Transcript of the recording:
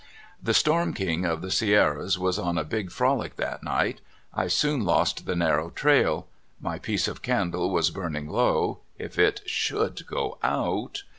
The storm king of the Sierras was on a big frolic that night! I soon lost the narrow trail. My piece of candle was burning low^ — if it should go out